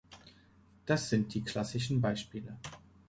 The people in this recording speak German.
Das sind die klassischen Beispiele.